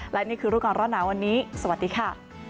และนี่คือรูปการณ์หนาวันนี้สวัสดีค่ะ